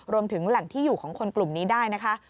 รวมถึงแหล่งที่อยู่ของคนกลุ่มนี้ได้นะคะ